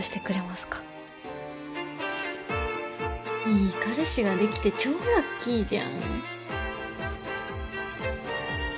いい彼氏ができて超ラッキーじゃん。